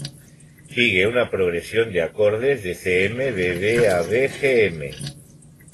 Sigue una progresión de acordes de Cm-Bb-Ab-Gm.